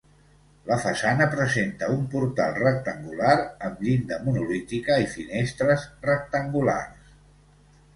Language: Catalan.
La façana presenta un portal rectangular amb llinda monolítica i finestres rectangulars.